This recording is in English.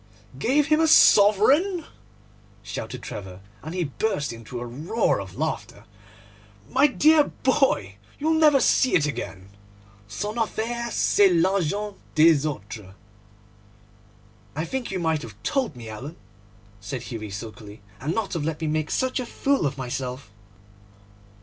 'Gave him a sovereign!' shouted Trevor, and he burst into a roar of laughter. 'My dear boy, you'll never see it again. Son affaire c'est l'argent des autres.' 'I think you might have told me, Alan,' said Hughie sulkily, 'and not have let me make such a fool of myself.